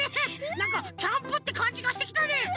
なんかキャンプってかんじがしてきたね！